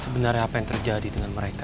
sebenarnya apa yang terjadi dengan mereka